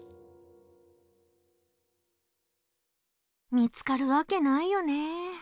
見つかるわけないよね。